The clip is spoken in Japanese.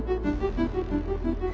あ！